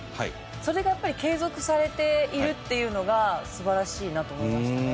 それがやっぱり継続されているっていうのが素晴らしいなと思いましたね。